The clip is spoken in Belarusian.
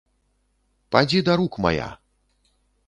Падзі да рук мая!